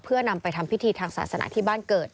เพื่อนำไปทำพิธีทางศาสนาที่บ้านเกิด